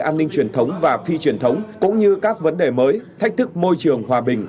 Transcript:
an ninh truyền thống và phi truyền thống cũng như các vấn đề mới thách thức môi trường hòa bình